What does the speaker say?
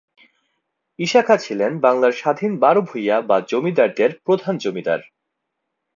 ঈসা খাঁ ছিলেন বাংলার স্বাধীন বারো ভূঁইয়া বা জমিদারদের প্রধান জমিদার।